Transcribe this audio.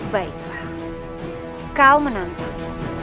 baiklah kau menantang